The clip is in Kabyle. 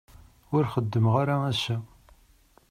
Ur xeddmeɣ ara ass-a.